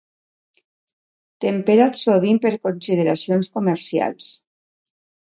Temperat sovint per consideracions comercials.